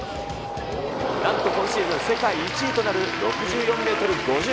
なんと今シーズン世界１位となる６４メートル５０。